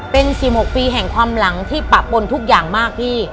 เป็น๑๖ปีแห่งความหลังที่ปะปนทุกอย่างมากพี่